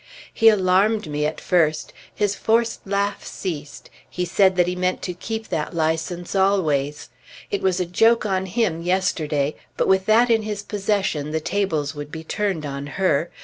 He alarmed me at first. His forced laugh ceased; he said that he meant to keep that license always. It was a joke on him yesterday, but with that in his possession, the tables would be turned on her.